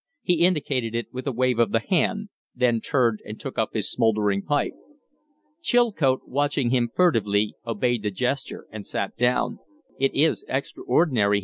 He indicated it with a wave of the hand; then turned and took up his smouldering pipe. Chilcote, watching him furtively, obeyed the gesture and sat down. "It is extraordinary!"